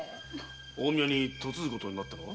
近江屋に嫁ぐことになったのは？